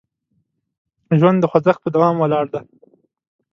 ژوند د خوځښت په دوام ولاړ دی.